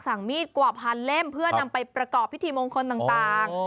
มีดกว่าพันเล่มเพื่อนำไปประกอบพิธีมงคลต่าง